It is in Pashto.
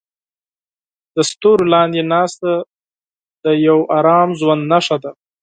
د ستورو لاندې ناسته د یو ارام ژوند نښه ده.